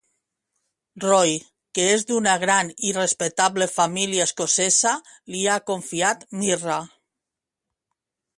Roy, que és d'una gran i respectable família escocesa, li ha confiat Myra.